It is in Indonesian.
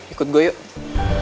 ikut gue yuk